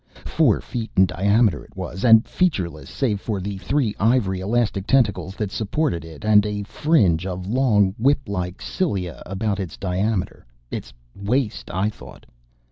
Four feet in diameter it was, and featureless save for three ivory elastic tentacles that supported it and a fringe of long, whip like cilia about its diameter its waist, I thought.